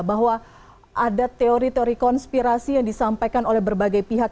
bahwa ada teori teori konspirasi yang disampaikan oleh berbagai pihak